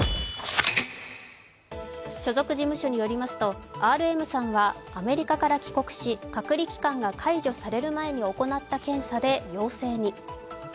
所属事務所によりますとＲＭさんは隔離期間が解除される前に行った検査で陽性に。